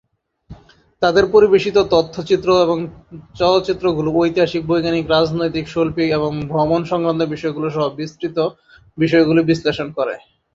তাদের পরিবেশিত তথ্যচিত্র ও চলচ্চিত্রগুলি ঐতিহাসিক, বৈজ্ঞানিক, রাজনৈতিক, শৈল্পিক এবং ভ্রমণ সংক্রান্ত বিষয়গুলি সহ বিস্তৃত বিষয়গুলি বিশ্লেষণ করে।